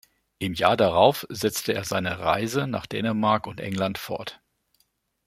Im Jahr darauf setzte er seine Reise nach Dänemark und England fort.